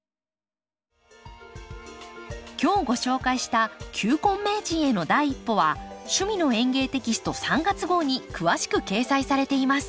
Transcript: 今日ご紹介した「球根名人への第一歩」は「趣味の園芸」テキスト３月号に詳しく掲載されています。